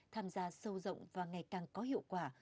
tham gia sâu rộng và ngày càng có hiệu quả